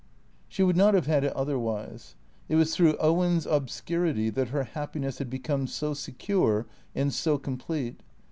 She would not have had it otherwise. It was through Owen's obscurity that her happiness had become so secure and so com plete.